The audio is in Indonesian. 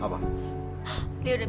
kamu mampus dari mereka